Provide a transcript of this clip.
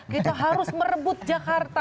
kita harus merebut jakarta